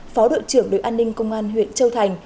phó đội trưởng đội an ninh công an huyện châu thành